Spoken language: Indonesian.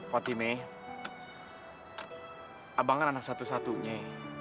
fatime abang kan anak satu satunya